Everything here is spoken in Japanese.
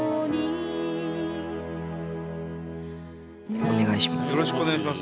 お願いします。